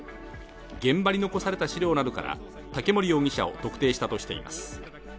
現場に残された資料などから竹森容疑者を特定したということです。